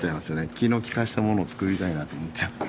気の利かしたものを作りたいなと思っちゃって。